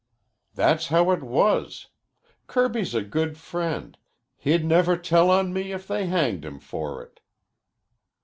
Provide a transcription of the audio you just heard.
"That's how it was. Kirby's a good friend. He'd never tell on me if they hanged him for it."